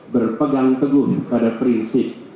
berpegang teguh pada prinsip